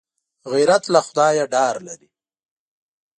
غیرت له خدایه ډار لري